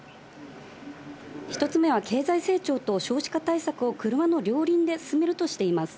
１つ目は経済成長と少子化対策を車の両輪で進めるとしています。